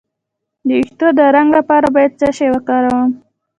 د ویښتو د رنګ لپاره باید څه شی وکاروم؟